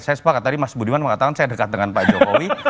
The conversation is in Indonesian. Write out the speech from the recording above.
saya sepakat tadi mas budiman mengatakan saya dekat dengan pak jokowi